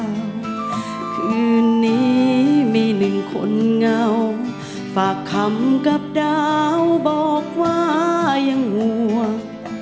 คืนนี้มีหนึ่งคนเงาฝากคำกับดาวบอกว่ายังห่วง